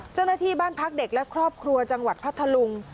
เจ้าหน้าที่บ้านพักเด็กและครอบครัวจังหวัดพัทธลุง